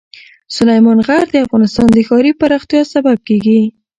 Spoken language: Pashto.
سلیمان غر د افغانستان د ښاري پراختیا سبب کېږي.